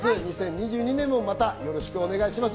２０２２年もまたよろしくお願いします。